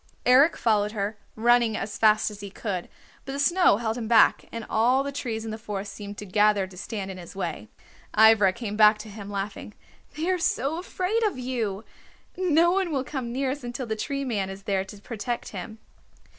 Eric followed her, running as fast as he could, but the snow held him back, and all the trees in the forest seemed to gather to stand in his way. Ivra came back to him, laughing. "They are so afraid of you! No one will come near us until the Tree Man is there to protect him."